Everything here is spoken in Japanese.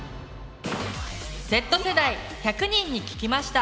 Ｚ世代１００人に聞きました。